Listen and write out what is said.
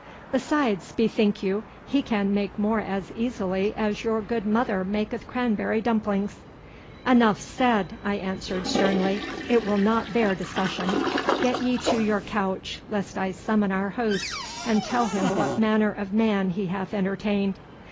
Besides, bethink you, he can make more as easily as your good mother maketh cranberry dumplings.' 'Enough said!' I answered sternly. 'It will not bear discussion. Get ye to your couch, lest I summon our host and tell him what manner of man he hath entertained.